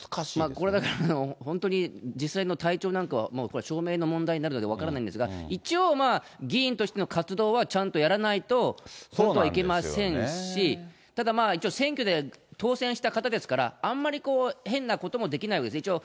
これが本当に実際の体調なんかはもうこれ、証明の問題になるので、分からないんですが、一応、議員としての活動はちゃんとやらないと、本当はいけませんし、ただまあ、一応選挙で当選した方ですから、あんまり変なこともできないですね。